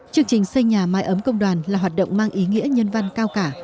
chương trình xây nhà mái ấm công đoàn là hoạt động mang ý nghĩa nhân văn cao cả